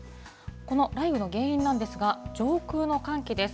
この雷雨の原因なんですが、上空の寒気です。